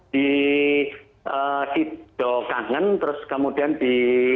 di sido kangen terus kemudian di